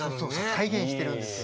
体現してるんですよ。